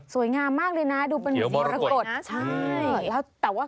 สวยงามมากเลยน่ะดูเป็นเซียมราโกดใช่แล้วแล้วแต่ว่า